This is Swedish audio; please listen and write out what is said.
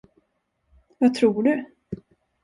Vad tror du?